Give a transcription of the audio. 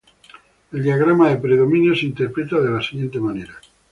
El diagrama de predominio se interpreta de la siguiente manera.